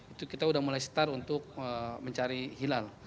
itu kita sudah mulai star untuk mencari hilal